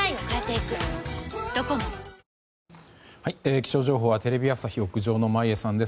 気象情報はテレビ朝日屋上の眞家さんです。